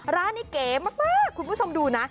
ร้านนี้เก๋มากคุณผู้ชมดูนะ